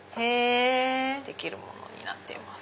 できるものになっています。